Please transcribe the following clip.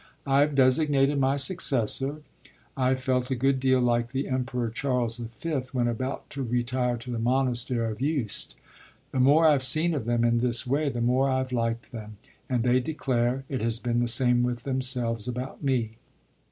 I've designated my successor; I've felt a good deal like the Emperor Charles the Fifth when about to retire to the monastery of Yuste. The more I've seen of them in this way the more I've liked them, and they declare it has been the same with themselves about me.